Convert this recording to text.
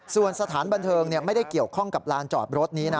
ส่วนสถานบันเทิงไม่ได้เกี่ยวข้องกับลานจอดรถนี้นะ